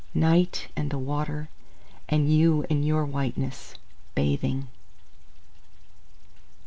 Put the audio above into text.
Night, and the water, and you in your whiteness, bathing!